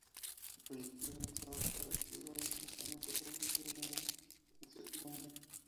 El proyecto debe trabajar activa y continuamente para reducir el nivel de incertidumbre.